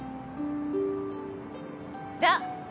じゃあ！